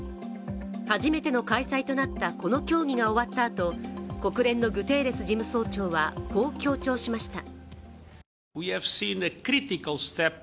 初めての開催となったこの協議が終わったあと、国連のグテーレス事務総長はこう強調しました。